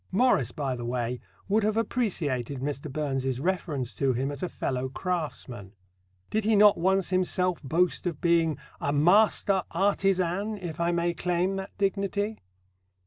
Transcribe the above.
Morris, by the way, would have appreciated Mr. Burns's reference to him as a fellow craftsman: did he not once himself boast of being "a master artisan, if I may claim that dignity"?